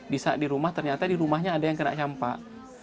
bisa di rumah ternyata di rumahnya ada yang kena campak